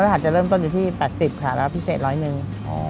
หัสจะเริ่มต้นอยู่ที่๘๐ค่ะแล้วพิเศษร้อยหนึ่ง